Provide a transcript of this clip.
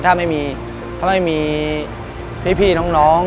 ถ้าไม่มีพี่น้อง